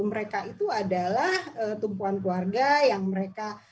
mereka itu adalah tumpuan keluarga yang mereka